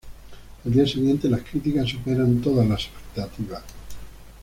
Al día siguiente, las críticas superan todas las expectativas.